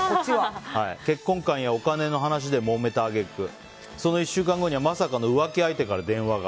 結婚観やお金の話でもめた揚げ句、その１週間後にはまさかの浮気相手から電話が。